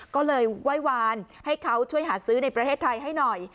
ก็เลยไหว้วานให้เขาช่วยหาซื้อในประเทศไทยให้หน่อย